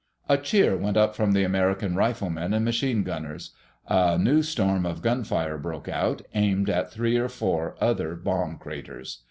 A cheer went up from the American riflemen and machine gunners. A new storm of gunfire broke out, aimed at three or four other bomb craters.